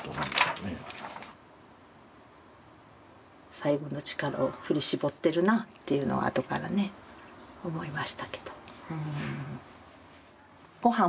最後の力を振り絞ってるなっていうのは後からね思いましたけど。